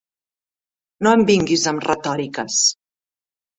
No em vinguis amb retòriques.